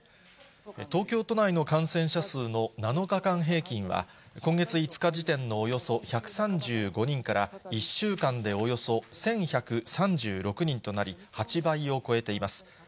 東京都内の感染者数の７日間平均は、今月５日時点のおよそ１３５人から１週間で、およそ１１３６人となり、８倍を超えています。